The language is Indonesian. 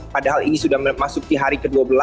padahal ini sudah masuk di hari ke dua belas